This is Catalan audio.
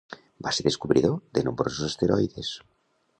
Va ser descobridor de nombrosos asteroides.